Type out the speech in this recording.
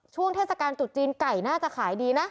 เทศกาลจุดจีนไก่น่าจะขายดีนะ